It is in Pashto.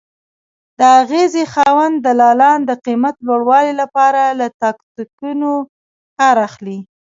د اغېزې خاوند دلالان د قیمت لوړوالي لپاره له تاکتیکونو کار اخلي.